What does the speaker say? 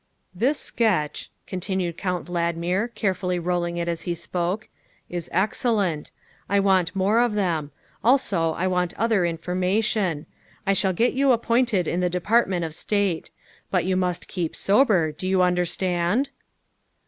''" This sketch," continued Count Valdmir, carefully rolling it as he spoke, " is excellent. I want more of them. Also I want other information. I shall get you appointed in the Department of State. But you must keep sober, do you understand?"